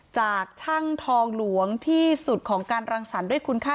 จากช่างทองหลวงที่สุดของการรังสรรค์ด้วยคุณค่า